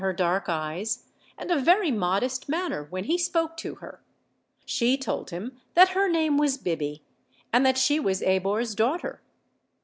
her dark eyes, and a very modest manner when he spoke to her. She told him that her name was Biby, and that she was Abor's daughter.